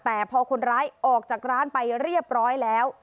แต่พอคนร้ายออกจากร้านไปเรียบร้อยแล้ว